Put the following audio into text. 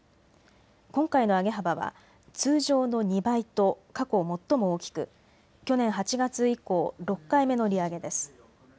今回の上げ幅は通常の２倍と過去最も大きく去年８月以降６回目の利上げです。